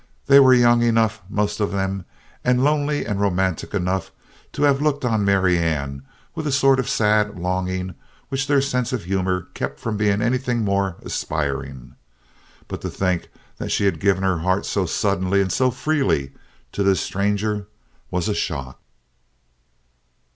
They were young enough, most of them, and lonely and romantic enough, to have looked on Marianne with a sort of sad longing which their sense of humor kept from being anything more aspiring. But to think that she had given her heart so suddenly and so freely to this stranger was a shock.